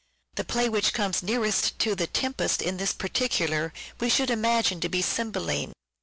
The play which comes nearest to " The Tempest " in this particular we should imagine to be " Cymbeline."